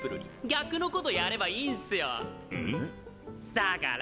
だから！